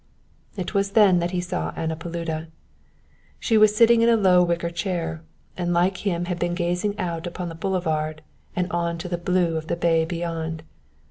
It was then that he saw Anna Paluda. She was sitting in a low wicker chair, and like him had been gazing out upon the boulevard and on to the blue of the bay beyond.